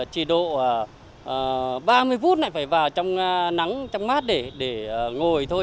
chỉ độ ba mươi phút lại phải vào trong nắng trong mát để ngồi thôi